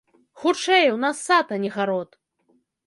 Хутчэй, у нас сад, а не гарод.